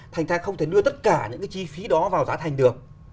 thành ra không thể đưa tất cả những chi phí đó vào giá thành được